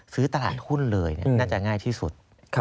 ซื้อตลาดหุ้นเลยน่าจะง่ายที่สุด